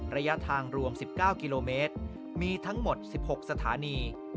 ระยะทางรวม๑๙กิโลเมตรมีทั้งหมด๑๖สถานี